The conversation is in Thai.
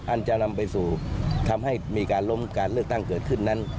อันจะนำไปสู่ทำให้มีการล้มการเลือกตั้งเกิดขึ้นนั้น